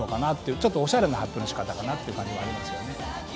ちょっとおしゃれな発表の仕方かなと思いますよね。